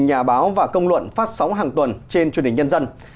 nhà báo và công luận phát sóng hàng tuần trên truyền hình nhân dân